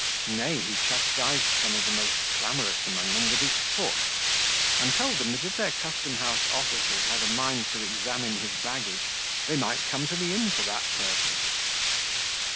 Nay, he chastised some of the most clamorous among them with his foot, and told them, that if their custom house officers had a mind to examine his baggage, they might come to the inn for that purpose.